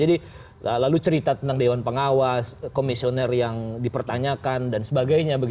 jadi lalu cerita tentang dewan pengawas komisioner yang dipertanyakan dan sebagainya